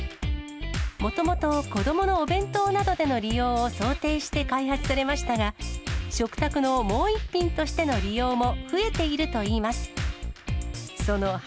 もともと、子どものお弁当などでの利用を想定して開発されましたが、食卓のもう一品としての利用も増えているといいます。